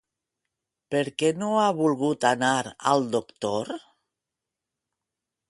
Per què no ha volgut anar al doctor?